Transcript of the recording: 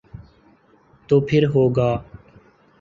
تو پھر ہو گا۔